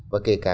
và kể cả